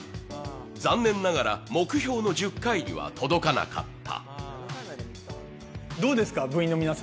残念ながら目標の１０回には届かなかった。